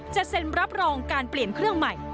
เซ็นรับรองการเปลี่ยนเครื่องใหม่